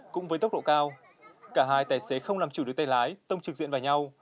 cũng với tốc độ cao cả hai tài xế không làm chủ được tay lái tông trực diện vào nhau